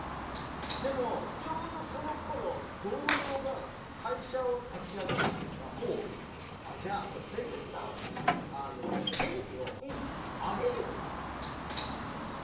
でもちょうどそのころ同僚が会社を立ち上げるっていうからああ、じゃあせん別代わりに権利をあげるよっていって。